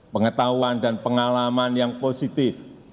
pengetahuan dan pengalaman yang positif